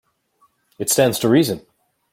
It stands to reason.